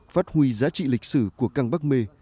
phát huy giá trị lịch sử của căn bắc mê